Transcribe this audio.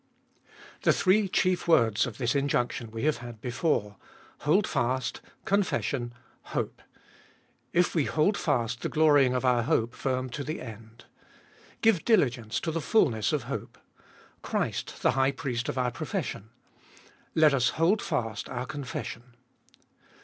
THE three chief words of this injunction we have had before — Hold fast, Confession, Hope. If we hold fast the glorying of our hope firm to the end. Give diligence to the fulness of hope. Christ the High Priest of our profession. Let us hold fast our confession.